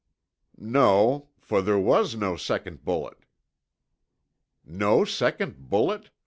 "No, for there was no second bullet." "No second bullet!"